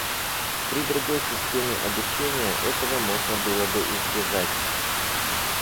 При другой системе обучения этого можно было бы избежать.